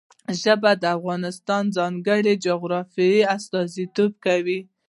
ژبې د افغانستان د ځانګړي جغرافیه استازیتوب کوي.